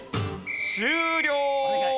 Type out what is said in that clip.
終了！